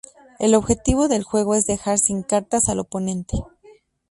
El objetivo del juego es dejar sin cartas al oponente.